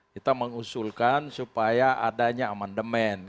kita mengusulkan supaya adanya amandemen